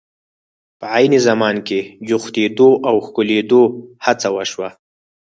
په عین زمان کې جوختېدو او ښکلېدو هڅه وشوه.